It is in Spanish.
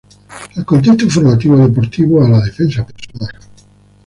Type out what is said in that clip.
Al contexto formativo, deportivo, o a la defensa personal.